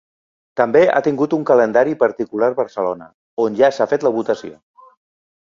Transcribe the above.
També ha tingut un calendari particular Barcelona, on ja s’ha fet la votació.